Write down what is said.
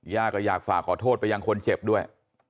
ก็อยากฝากขอโทษไปยังคนเจ็บด้วย